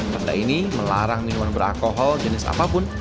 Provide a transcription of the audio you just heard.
perda ini melarang minuman beralkohol jenis apapun